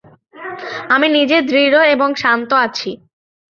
আমি নিজে দৃঢ় এবং শান্ত আছি।